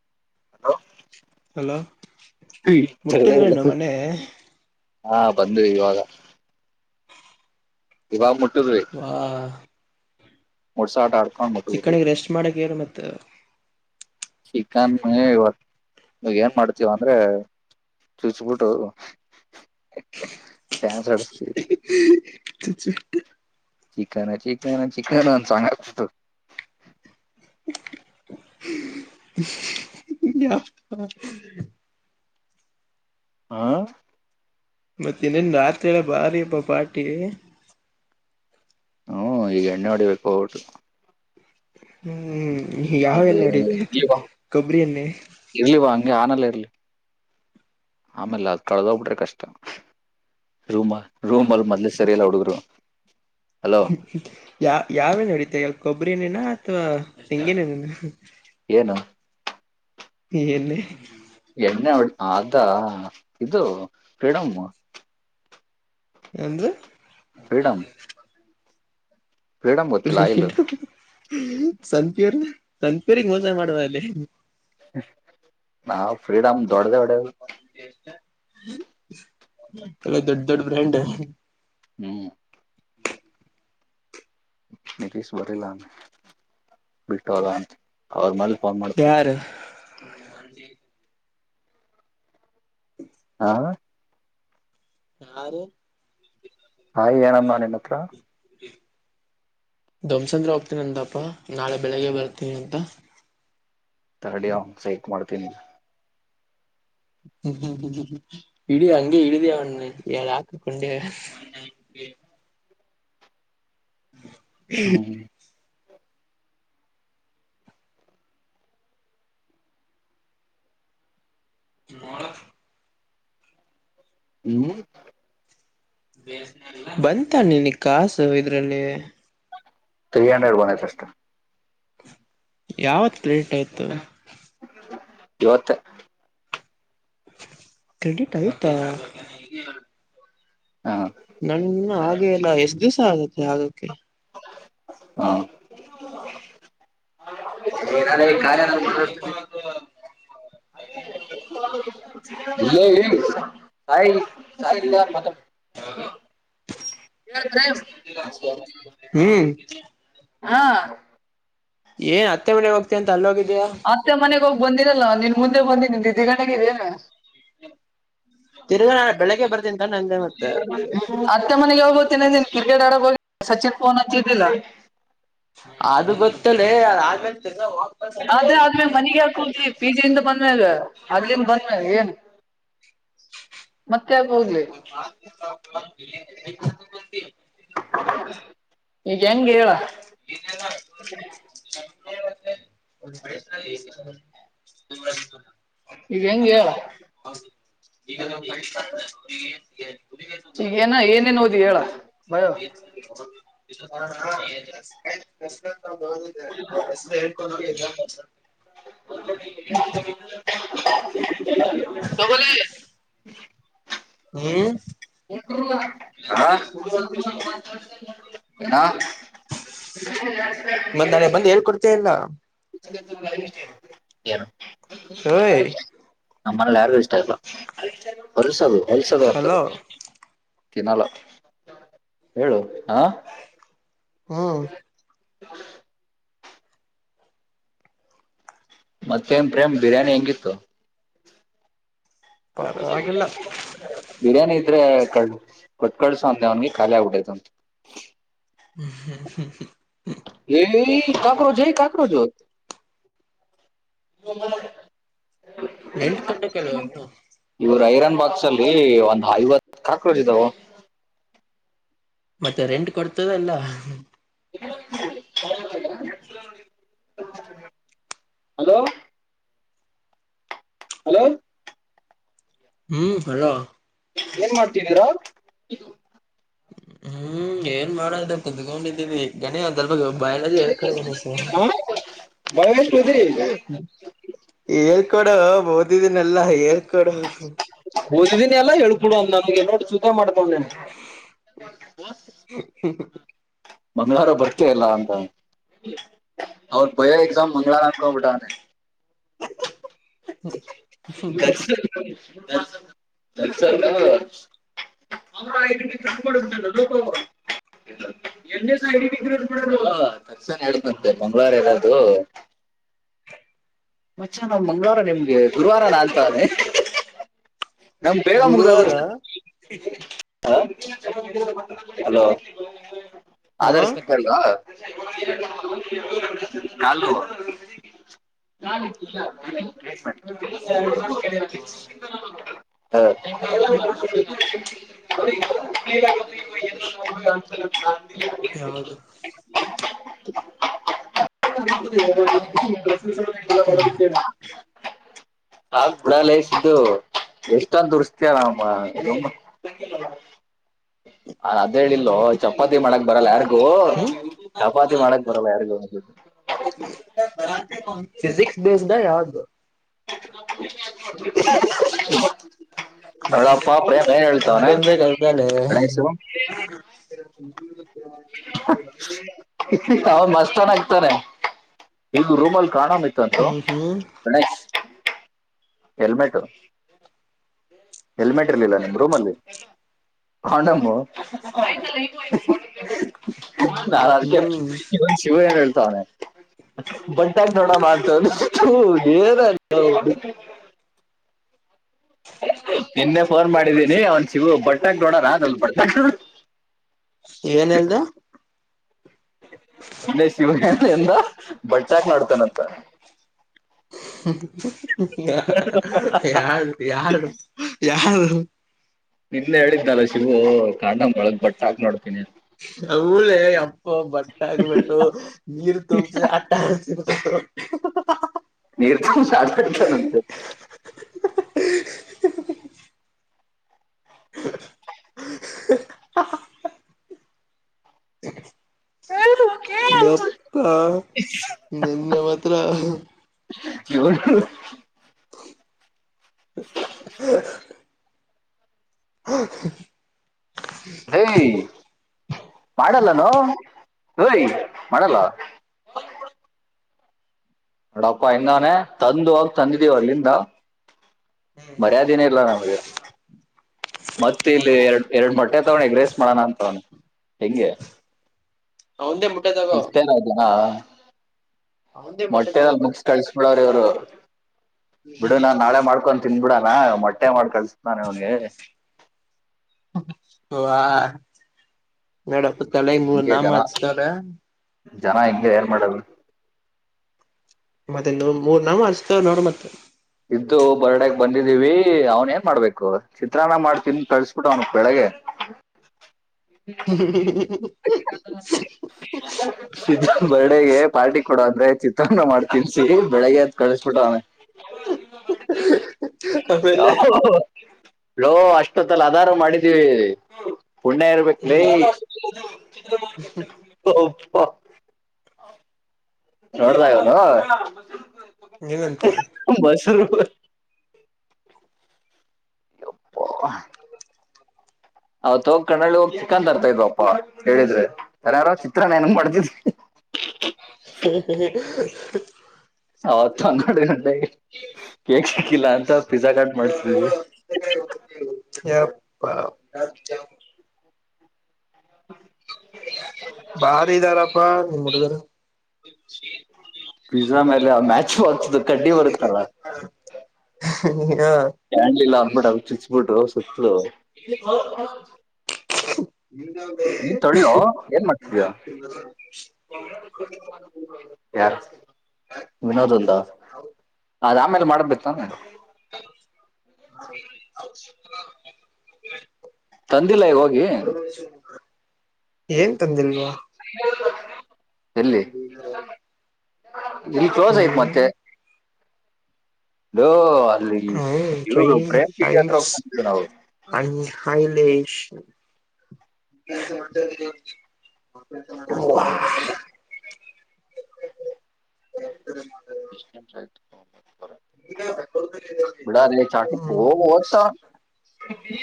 [unintelligible] Hello. [inaudible] ಮುಟ್ಟಿದ್ರೇನು ಮನೆ ಹಾ ಬಂದು ಇವಾಗ. ಇವಾಗ್ ಮುಟ್ ಹಾ. [unintelligible] ಚಿಕ್ ಅಣ್ಣಂಗೆ ರೆಸ್ಟ್ ಮಾಡಕ್ ಹೇಳು ಮತ್ತ. ಚಿಕನ್ ಇವತ್ತು ಏನ್ ಮಾಡ್ತೀವ್ ಅಂದ್ರೆ ಚುಚ್ಬಿಟ್ಟು ಡ್ಯಾನ್ಸ್ ಆಡಿಸ್ತೀವಿ. ಚಿಕನ್ ಚಿಕನ್ ಚಿಕನ್ ಅಂತ ಹಾಡ್ಬಿಟ್ಟು. [unintelligible] ಹಾ. ಮತ್ತೆ ಇನ್ನೇನ್ ರಾತ್ರಿ ಎಲ್ಲ ಬಾರಿ ಅಬ ಪಾರ್ಟಿ. ಹ್ಮ್ ಈಗ ಎಣ್ಣೆ ಹೊಡಿಬೇಕು ಹೋಗ್ಬಿಟ್ಟು. ಹ್ಮ್ ಯಾವ ಅದು ಎಣ್ಣೆ ಹೊಡೀತಿಯಾ ಇರ್ಲಿವಾ ಕೊಬ್ಬರಿ ಎಣ್ಣೆ. ಇರ್ಲಿವಾ [unintelligible] ಇರ್ಲಿ. ಆಮೇಲ್ ಅದು ಕಳ್ದು ಹೋಗ್ಬಿಟ್ರೆ ಕಷ್ಟ. ರೂಮಾ ರೂಮ್ ಅಲ್ ಮೊದ್ಲೆೇ ಸರಿಯಿಲ್ಲ ಹುಡುಗ್ರು. ಹ್ಮ್ ಯಾ ಯಾವೇ ನಡತ ಕೊಬ್ಬರಿನನಾ ಅಥವಾ ತೆಂಗಿನ ಎಣ್ಣಿನ. ಏನು. ಎಣ್ಣಿ. ಎಣ್ಣೆ ಒಳ್ಳ ಅ ಇದು ಫ್ರೀಡಂ. ಏನಂದಿ. ಫ್ರೀಡಂ. ಆಯಿಲ್ ಸಂಪ್ಯೂರ್ ಸಂಪೂರ್ ಮೋಸ ಮಾಡುವ ಅಲ್ಲಿ. ನಾವು ಫ್ರೀಡಮ್ ದೊಡ್ಡದ ಒಡದು. ಎಲ್ಲಾ ದೊಡ್ ದೊಡ್ಡ ಬ್ರ್ಯಾಂಡ. ಹ್ಮ್. [inaudible] ನಿತೀಶ್ ಬರಿಲ್ಲ ಅ ಬಿಟ್ಟಲ್ಲ ಅವ್ರ ಮ ಮಾಡ್ತಿರ. ಯಾರು [inaudible] ಹಾ. ಯಾರ. ಹಾಯ್ ಏನಂದ ನಿನ್ನ ಹತ್ರ. ಧ್ವಂಸಂದ್ರ ಹೋಗ್ತೀನ ಅಂತಪ್ಪಾ ನಾಳೆ ಬೆಳಿಗ್ಗೆ ಬರ್ತೀನಿ ಅಂತ. ತಡಿ ಅವಂಗ ಸೈಕ ಮಾಡ್ತೀನಿ ಈಗ. ಹಿಡಿ ಹಂಗೆ ಹಿಡಿದಿ ಅವನ ಎರಡ ಹಾಕ ಕುಂಡಿ ಮ್ಯಾಗ. [inaudible] ಹ್ಮ್ [inaudible] [unintelligible] ಹ್ಮ. ಬಂತ ನಿಂಗ ಕಾಸು ಇದ್ರಲ್ಲಿ. ತ್ರ್ರೀ ಹಂಡ್ರೆಡ್ ಬಂದೈತ ಅಷ್ಟ್. ಯಾವತ್ ಕ್ರೆಡಿಟ್ ಆಯ್ತು. ಇವತ್ತ. ಕ್ರೆಡಿಟ್ ಆಯತ್ತ. ಹಾ. ನನಗ ಇನ್ ಆಗೇ ಇಲ್ಲಾ ಎಲ್ಲ ಎಷ್ಟ್ ದಿವ್ಸ ಆಗತ್ತೆ ಆಗಕ್ಕೆ. ಹಾ. [inaudible] [inaudible] ಹ್ಮ್ [unintelligible] [inaudible] ಹಾ. ಏನ್ ಅತ್ತೆ ಮನೆ ಹೋಗ್ತ ಅಂತ ಅಲ್ಲಿ ಹೋಗಿದ್ ಅತ್ತೆ ಮನೆಗ ಹೋಗಿ ಬಂದಿರಲ್ಲ ನಿನ್ ಮುಂದೆ ಬಂದಿಿ ದಿದ್ದಿಗಣಗೇನ್. ತಿರ್ಗಾ ನಾ ಬೆಳಗ್ಗೆ ಬರ್ತೀನಿ ತಾನೆ ಅಂದೆ ಮತ್ತೆ ಅತ್ತೆ ಮನೆಗ ಹೋಗ್ ಕ್ರಿಕೆಟ್ ಆಡಕ್ ಹೋಗ ಸಚಿನ್ ಫೋನ್ ಹಚ್ಚಿದ್ದಿಲ್ಲ. ಅದು ಗೊತ್ತಲ್ಲೇ ಆಮೇಲ್. ಆದ್ರೆ ಆದ್ಮೇಲೆ ಮನೆಗೆ ಹಾಕವಿ ಪೀಜೆಯಿಂದ. ಬಂದ್ಮೇಲೆ ಅಲಿ ಬಂದ್ಮೇಲೆ ಏನು ಮತ್ತೆ. ಮತ್ತ್ ಯಾಕ್ ಹೋಗಲಿ. [inaudible] ಈಗ ಹೆಂಗೆ ಹೇಳ. [inaudible] [inaudible] ಈಗ ಹೆಂಗ ಹೇಳ. ಈಗ ನೋಡು ಗರಿಷ್ಠ [unintelligible] ಗೆ. ಈಗೇನು ಏನೇನ್ ಓದಿ ಹೇಳೋ ಭಯೋ. ಬಿಜಿನೆಸ್ ಹೋಗಿ ಹೇಳ್ ಬಸ್ ಬಂತು. ಹೋಗಿದ್ದೆ ಅವನ್ ಹೆಸರು ಹೇಳ್ಕೊಂಡ ಎಕ್ಸಾಮ್ ಬರ್ಸೋವ್ರೆ, ಹೇ [unintelligible] ತಗುಣಿ ಎಸ್ ಈ ತಿಂಗಳು ಏನೋ ಏನೋ, ಏನು ನಾಳೆ ಬಂದು ಹೇಳ್ ಕೊಡ್ತಿಯೋ ಇಲ್ಲೊ. ಏನು ಓಯ್ ನಮ್ಮ ಮನೆಲಿ ಯಾರಿಗೂ ಇಷ್ಟ ಇಲ್ಲ ಹೊಲ್ಸೋದು ಹೊಲ್ಸೋದು ಹಲೋ ಬರ್ತದೆ ತಿನ್ನಲ್ಲ ಹೊ ಹ ಹು ಮತ್ತೆನ್ ಪ್ರೇಮ್ ಬಿರಿಯಾನಿ ಹೆಂಗಿತ್ತು. ಪರವಾಗಿಲ್ಲ ಬಿರಿಯಾನಿ ಟ್ರೇ ತೆಗೆದು ಕೊಟ್ ಕಳ್ಸೋ ಅಂತ ಖಾಲಿ ಆಗ್ಬಿಟೈತಂತೆ. ಹ್ಮ ಹ್ಮ ಹ್ಮ ಎಲ್ಲೆಲ್ಲಿ ಕಾಕ್ರೋಚ್ ಎಲ್ಲಿ ಕಾಕ್ರೋಚ್. ಇ [unintelligible] ಎಂಟ್ ಗಂಟೆ ಕೆಲಸ. ಇವ್ರ ಐರನ್ ಬಾಕ್ಸ್ ಅಲ್ಲಿ ಒಂದ್ ಐವತ್ ಕಾಕ್ರೋಚ್ ಇದ್ದಾವ. ಮತ್ತೆ ರೆಂಟ್ ಕೊಡ್ತೀವಲ್ಲ. ಹಲೋ ಹಲೋ ಹ್ಮ್ ಹಲೋ ಏನ್ ಮಾಡ್ತಿದ್ದೀರಾ. ಹ್ಮ್ ಏನ್ ಮಾಡೋದು ಕುತ್ಕೊಂಡಿದ್ದೀನವಿ ಗಣಿ ಅದಲ್. ಬಯಲಲ್ಲಿ ಯಾ ಕಡೆ ಹೋಗು ಬೇಕು. ಹಲೋ ಏಳ್ಕೋಡೆ ಓದಿದಿನೆಲ್ಲ ಏಳ್ಕೋಡೆ. ಓಸುದಿನಿ ಎಲ್ಲ ಹೇಳ್ ಕೊಡು ಅಂದ್ರೆ ನಮಗೆ ಸುಖ ಮಾಡು. ತಲ್ಲಿಂದ್ರೋ, ಬಿಗ್ ಬಾಸ್. ಮಂಗಳವಾರ ಬರ್ತಿ ಇಲ್ಲಾ ಅಂತ ಅವ್ರು ಬೈಲ್ ಎಕ್ಸಾಮ ಮುಂದೆ ಹಾಳಕೋ ವಿಧಾನ ಫ್ರೆಂಡ್ಸ್. ಹ್ಮ ಹ್ಮ್ ಹ್ಮ್ ಕೆಲಸ ತಾನೇ ಅವ್ರ ಇದುಕಿ ಗಂಡು ಕೊಡ್ಸುದ್ನಲ್ಲ ಲೋಪಭ. ಎನ್ ಎಸ್ ಐ ಡಿ [unintelligible] ತಶ್ಯನ್ ಹೇಳ್ತಂತೆ ಮಂಗಳವಾರ ಇರೋದು. [inaudible] ಮಚೆ ನಾ ಮಂಗಳವಾರ ಬಂದಿದೆ ಗುರುವಾರ ನಾಲ್ತೆ. ನಮ್ ಬೇಗ ಮುಳುಗೋಗು. ಗುರುವಾರ ಹ ಹಲೋ ಹಾ ಆದರ್ಶ ಸಿಕ್ಕಲ್ವಾ ನಾಲು ನಾನು ಸರ್ ಎಲ್ ಎಲ್ ಪಿ ಹಾ ಅ ಯಾವುದು [unintelligible] ದ್ದ ಹ್ಮ್ [unintelligible] ಹಾಯ್ ಭುವನೇಶ್ ಇದು ಎಷ್ಟೊಂದು ದುರಿಸ್ಯ ಮಾಯಿ. ಅದು ಹೇಳಿದ್ದುಲೋ ಚಪಾತಿ ಮಾಡಕ್ ಬರಲ್ಲ ಹರೆದು ಹ್ಮ್ ಚಪಾತಿ ಮಾಡಕ್ ಬರಲ್ಲ ಹರೆದು ಅಂತಿದ್ದಳು. ಿಜಕ್ಸ್ ಬೇಸ್ಡ ಯಾರ ಹಳಪ್ಪಾ ಪ್ರ ಏನ್ ಹೇಳ್ತವನೆ ಗಣೇಶ ಹ ಅವ ಮಸ್ತ್ತನ ಆಗ್ತಾನೆ ಇಗ ರೂಮಲ್ಲಿ ಕಾಣ್ ಇತ್ತು ಅಂತೂ ಹ್ಮ್ ಹ್ಮ್ ಗಣೇಶ್ ಹೆಲ್ಮೆಟ್ ಹೆಲ್ಮೆಟ್ ಇರ್ಲಿಲ್ಲ ನಿಮ್ಮ್ ರೂಮ್ಲ್ಲಿ ಂಡಂಬ ಹ್ಮ್ ನಾನು ಹ್ಮ್ ಅದಕ್ಕೆವನ್ ಶಿವ ಏನ್ ಹೇಳ್ತವನೆ ಬಟಾಗ ೋಡ ಮಾಡ್ತ ನಿನ್ನೆ ಫೋನ್ ಮಾಡಿದ್ದೀನಿ ಅವನ್ ಶಿವ ಬಟ್ಟಾಕ್ ನೋಡಣ ಅಲ್ ಬ ಏನ್ಲ್ದ ಇಲ್ಲೇ ಶಿವಮ ಎಿಂದ ಬಟ್ಟಾಕ್ ನಡ್ತಾನಂತ ಯಾರ ಯಾರು ಯಾರ ಹ್ಮ ಇದ್ನ್ನ ಹೇಳಿದ್ದಲ್ಲ ಶಿಗ ಕಾಂಡಂ ಒೊಳಗ್ ಬೊಟ್ಟಾಕ್ ನೋಡ್ತೀನಿ ಹಲೇ ಇ ಬಟ್ಟಾನಿ ಮಟ್ಟು ನೀರು ತೋಂಬ ಅಟ್ಟು ನೀರ್ ಬಿಡ್ತಾನಂತೆ ಹ ಹ ಚಗಪ್ಪ ನಿನ್ನೆ ಮಾತ್ರ ಇವ ಹ ಹಾ ಹ ಹೇ ಮಾಡಲ್ಲ ನ ಯ ಮಾಡಲ್ಲ ನೋಡಪ್ಪ ಹೆಂಗಾನೆ ತಂದು ಆ ತಂದಿದ್ದೀವ ಅಲ್ಲಿಂದ ಮರ್ಯಾದೆನ ಇಲ್ಲ ನಮಗೆ ಮತ್ತ ಇಲ್ಲಿ ಎರಡ್ ಎರಡು ಮೊಟ್ಟೆ ತಗಣಿಗ ರೇಸ್ ಮಾಡೋಣ ಅಂತಗೊಂಡಿ ಹೆಂಗೆ ಒಂದೇ ಮುಟ್ಟದಾಗೋ ಮೊಟ್ಟೆದಲ್ ತಗೊಂಡ್ಬಿಡು ಬುಕ್ಸ್ ಕಳ್ಸ್ ಬಿಡ್ರ ಇವರು ಬಿಡ ನಾನ್ ನಾಳೆ ಮಾಡ್ಕೊಂಡು ತಿನ್ಬಿಡ ಮೊಟ್ಟೆ ಮಾಡಿ ಕಳ್ಸತಾನೆ ಅವನಿಗೆ ಹ ಮೇಡಪ್ಪ ತಲೆ ಮೂರು ಹಿಂಗೆ ನಾಮ ಜನ ಹಚ್ತಾರ ಜನ ಹೆಂಗೆ ಏನ್ ಮಾಡದು ಮತ್ತೆ ಇನ್ನು ಮೂರ್ ನಾವ ಮಾಡಸ್ತ ನೋಡ ಮತ್ತೆ ಇದ್ದು ಬರ್ಡೇಗ್ ಬಂದಿದ್ದೀವಿ ಅವ್ನ್ ಏನ್ ಮಾಡ್ಬೇಕು ಚಿತ್ರಾನ್ನ ಮಾಡ್ತನ್ ಕಳ್ಸ್ಬಿಟ್ಟು ಅವ್ನಕ್ ಬೆಳಿಗ್ಗೆ ಹ ಹ್ಮ ಬರ್ಡೇಗೆ ಪಾರ್ಟಿ ಕೊಡುವಂದ್ರೆ ಚ ಮಾಡ್ತನ್ಸಿ ಬೆಳಗ್ಗೆ ಅದ ಕಳಿಸಬಿಟ ಅವಾನನೆ ಆಮೇಲೆ ಯ ೋ ಅಷ್ಟೊತ್ತಲ್ಲ ಅದಾರು ಮಾಡಿದೀವಿ ಪುಣ್ಯ ಇರ್ಬೇಕ ಲ ಹ್ಮ್ ನೋಡ್ತನು ಏನಂತೆ ಇಪ್ಪ ಅವತ್ ಹೋಗ್ ಕಣ್ಣಳ್ಳಿ ಹೋಗಿ ಚಿಕನ್ ತರ್ತಾ ಇದ್ಪ್ಪಾ ಹೇಳಿದ್ರೆ ಯರ ಯಾರೋ ಚಿತ್ರನ ಏ ಮಾಡ್ತಿದ್ವಿ ಹ್ಮ ಹೌತ್ ನೋಡಿ ನಟ ಕೇಕ್ ಸಿಕ್ಕಿಲ್ಲ ಅಂತ ಪಿಜಜಾ ಕಟ್ ಮಾಡ್ಸಿದ್ವಿ ವಿಚ ಬಾರಿ ಇದಾರಪ್ಪ ನಿಮ್ ಹುಡುಗ್ರು ಪಿಜ್ಜಾ ಮೇಲೆ ಮ್ಯಾಚ್ ಬಾಕ್ಸ್ ಕಡ್ಡಿ ಬರುತ್ತಿಲ್ಲ ಅದು ಹಾ ಕ್ಯಾಂಡ್ಲ ಇಿಲ್ಲ ಅಂದಬಿಟ್ಟ ಚುಚ್ಬಿಟ್ಟು ಸುತ್ತಲ ಹ ಏನ್ ಮಾಡ್ತಿದ್ಯ ನಿ ಯ ಯಾರ ವಿನೋದ್ಂದ ಅದ ಆಮೇಲೆ ಮಾಡಬೇಕ ಹ ತಂದಿಲ್ಲ ಈ ಹೋಗಿ ಏನ್ ತಂದಿಲ್ವಾ ಎಲ್ಲಿ ಹ ಬರ ಇಲ್ಲಿ ಕಲೋಸ ಆಐ್ತ್ ಮತ್ತೆ ಲೋ ಅಲ್ಲಿ ಹ ಇವ್ರು ಟ್ರೈನ್ ಪ್ರೇಮ್ ಪೀಡಿ ಹತ್ರ ಟೈಪ್ಸ್ ಹೋಗ್ತಿದ್ವಿ ನಾವು ಅ ಹೈಲೆಶ ಹ ಹ ಇಷ್ಟ ನೀ ಬಿಡ ರ ಚಾಕಿ ಹ ವದಾ ಬಿ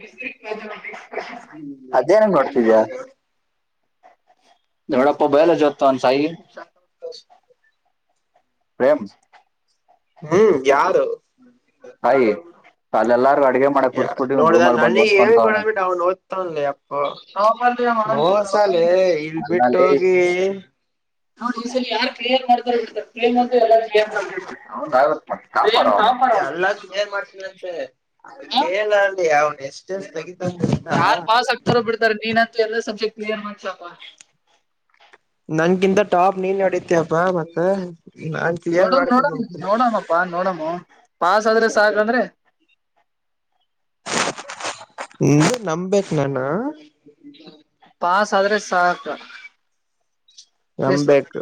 ಬಿ್ರಕ್ ಬ ಅದೇನಂಗ ನೋಡ್ತಿದ್ಯಾ ನೋಡಪ್ಪಬಲ ಜೊತನ್ ಸ ಪ್ರೇಮ ಹ್ಮ್ ಯಾರು ಆಯ ಅಲ್ಲ ಎಲ್ಲಾರ ಅ ಮಾಡಬ ನೋಡ್ದ ರೂಮ ಬಂದ್ ನನಗ್ ಓದ್ಕ ಹೇಳ್ಬಿಡ್ಬಿಟ್ಟು ಅವ್ನ್ ಓದ್ತವನ್ಲಿ ಅಪ್ಪ ಮೋಸಾಲೆ ಇಲ್ ಬಿಟ್ಟ ನಾಲೆ ಹೋಗಿ ನ ಯಾರ್ ಕ್ಲಿಯರ್ ಮಾಡತಾರರ್್ಲ್ ಏ ಸಾಪಾಡ ಏನ್ ಮಾಡ್ತನ ಅಂತೆ ಅ ಕೇಳ ಅಿ ಅವ್ನು ಎಷ್ಟ ಎಷ್ಟ ತಗ ಯಾರ್ ಪಾಸ್ ಆಗ್ತಾರೋ ಬಿಡ್ತಾರ ನೀನಂತೂ ಎಲ್ಲಾ ಸಬ್ಜೆಕ್ಟ್ ಕ್ಲಿಯರ್ ಮಾಡ್ಸಪ ನನ್ಗಿಂತ ಟಾಪ್ ನೀನ್ ನಡಿತಪ್ಪಾ ಮತ್ತ ನಾನ್ ನೋಡ ಕ್ಲಿಯರ್ ನೋಡ ಮಾಡ್ತೇನಂತೆ ನೋಡಾಮಪ್ಪ ನೋಡಮ್ಮ ಹ ಪಸ್ ಅ ಆದ್ರೆ ಸಾಕಂದ್ರೆ ಇ ನಂಬೇನಣ ಪಾಸ್ ಆದ್ರೆ ಸಾಕ ನಮಬೇಕು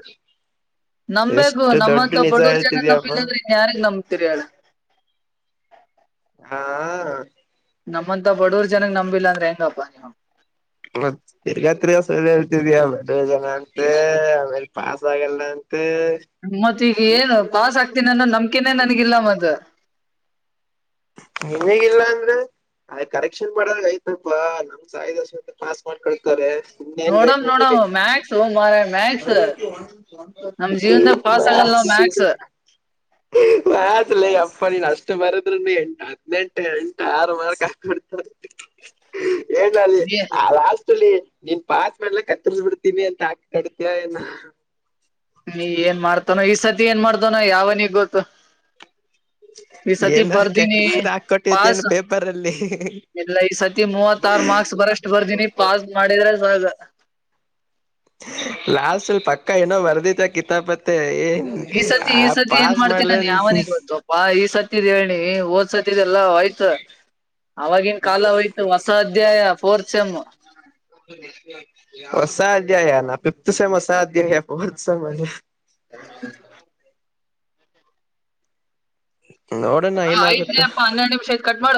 ನಂಬ್ಗು ನಮ್ಮಂತ ಬಡವರ್ ಜನ ಹೇಳ್ತಿದ್ಯಪ್ಪ ನಂಬಿಲ್ಲಂದ್ರೆನ್ ಯಾರಿಗ್ ನಂಬ ತಿರಿಯಳ ಹಾ ನಮ್ಮಂತ ಬಡವರ್ ಜನಗ್ ನಂಬಿಲ್ಲ ಅಂದ್ರೆ ಹೆಂಗಪ್ಪಾ ನೀವು ಮತ್ತ ತಿರ್ಗಾತ್ರಿ ಸಲ ಹೇಳ್ತಿದ್ಯಾ ಮಡ ಜನ ಅಂತ ಆಮೇಲೆ ಪಾಸ್ ಆಗಲ್ಲ ಅ ಮತ್ತ ಈಗ ಏನು ಪಾಸ್ ಆಗ್ತೀನ ಅನ್ನೋ ನಂಬಿಕೆನೇ ನನ್ಗಿಲ್ಲ ಮದ ನ್ಗಿಲ್ಲ ಅಂದ್ರೆ ಅದ ಕರೆಕ್ಷನ್ ಮಾಡದ ಆಯ್ತಪ್ಪಾ ನಮ್ ಸಾಯರ್ ಪಾಸ್ ಮಾಡ್ಕೊ ನೋಡಮ್ ನ ನೋಡಮ್ ಮ್ಯಾಕ್ಸ್ ಮಾರಾಯ ಮ್ಯಾಕ್ಸ್ ಪಸ್ ಆಗಲ್ಲ ಮಕ್ಸ್ ಹ ಮತ್ ಲ ಅಪ್ಪ ನೀನ್ ಅಷ್ಟು ಬರದ್ರ ಎಂಟು ಹದ್ನೆಂಟು ಎಂಟು ಆರು ಮಾರ್ಕ್ ಹಾಕಡ್ತ ಏನಲ್ಲಿ ಆಸ್ತಲಿ ನೀನ್ ಪಾಸ್ ಮಾಡ್ಲ ಕತ್ತರ್ಸ್ ಬಿಡ್ತೀನಿ ಅಂತ ಆಕ್ ಕಡ್ತಯ ಏನ್ ನೀ ಏನ್ ಮಾಡ್ತಾನೋ ಈ ಸತಿ ಏನ್ ಮಾಡ್ತಾನೋ ಯಾವನಿಗೆಗ್ ಗೊತ್ತು [unintelligible] ಈ ಸತಿ ಏನೋ ಭರ್ಧಿ ಕೆಟ್ಟ ಮಾತ್ ಹಾಕೊಟ್ಟಿತ್ತೇನು ಪಸ್ ಪೇಪರ್ ಅಲ್ಲಿ ಎ ಈ ಸತಿ ಮೂವತ್ತಾರ ಮಾರ್ಕ್ಸ್ ಬರಷ್ಟು ಬರ್ದೀನಿ ಪಾಸ್ ಮಾಡಿದ್ರೆ ಸ ಲಾಲ್ಸಲ್ ಪಕ್ಕ ಏನೋ ವರ್ದಿತ ಕಿತಾಪ್ ಮತ್ತೆ ಈ ಸತಿ ಈ ಸತಿ ಏನ್ ಮಾಡ್ತೀ ನಾನನ್ ಯಾವನಗ್ ಗೊತ್ತುಪ್ಪಾ ಈ ಸತ್ತಿದ್ ಹೇಳನಿ ಓದ್ಸತಿ ಇದೆಲ್ಲ ಹಯ್ತು ಆವಾಗಿನ ಕಾಲ ಹೋಯ್ತು ಹೊಸ ಅಧ್ಯಾಯ ಫೋರ್ ಸಮ್ಮ ಹೊಸಾಧ್ಯ ಯ ಫತ್ ಸೆಮ್ ಹೊಸಧ್ಯ ಫೋರ್ತ್ ಸಮ ಹ ನೋಡೋಣ ಹಾ ಆಯ್ತ್ ಏನಾಗುತ್ತೋ ಅಪ್ಪ ಹನ್ನರಡು ನಿಮ್ಷತ್ ಕಟ್ ಮಾಡ